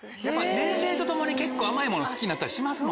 年齢とともに結構甘いもの好きになったりしますもんね。